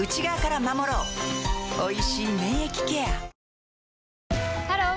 おいしい免疫ケアハロー！